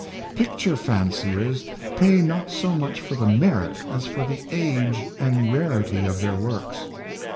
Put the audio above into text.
Picture fanciers pay not so much for the merit as for the age and rarity of their works.